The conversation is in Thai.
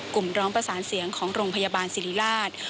ร้องประสานเสียงของโรงพยาบาลสิริราช